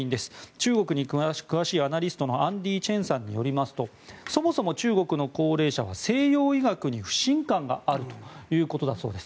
中国に詳しいアナリストのアンディ・チェンさんによりますとそもそも中国の高齢者は西洋医学に不信感があるということです。